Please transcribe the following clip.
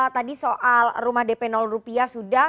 tadi soal rumah dp rupiah sudah